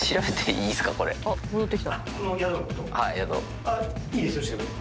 いいですよ調べて。